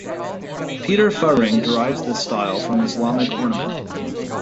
Peter Fuhring derives this style from Islamic ornament.